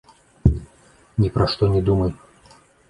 Ні пра што не думай.